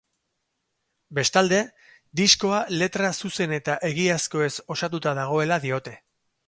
Bestalde, diskoa letra zuzen eta egiazkoez osatuta dagoela diote.